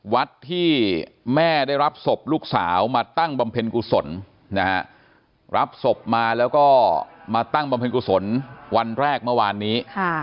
วัดที่แม่ได้รับศพลูกสาวมาตั้งบำเพ็ญกุศลนะฮะรับศพมาแล้วก็มาตั้งบำเพ็ญกุศลวันแรกเมื่อวานนี้